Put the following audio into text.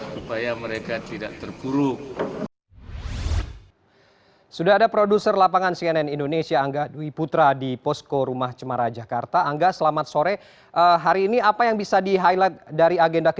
supaya mereka tidak ketinggalan